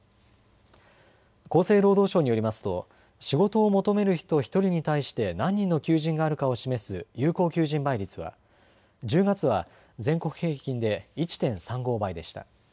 厚生労働省によりますと仕事を求める人１人に対して何人の求人があるかを示す有効求人倍率は１０月は全国平均で１．３５倍でした。